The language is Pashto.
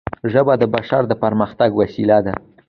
ژبه د بشر د پرمختګ وسیله ده